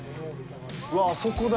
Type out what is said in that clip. うわっ、あそこだ！